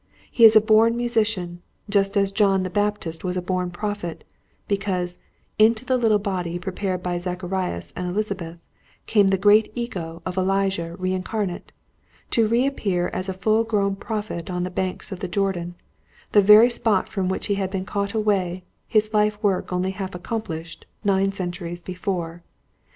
He is a born musician; just as John the Baptist was a born prophet, because, into the little body prepared by Zacharias and Elisabeth, came the great Ego of Elijah reincarnate; to reappear as a full grown prophet on the banks of the Jordan the very spot from which he had been caught away, his life work only half accomplished, nine centuries before.